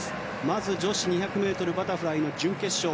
まず女子２００ｍバタフライの準決勝。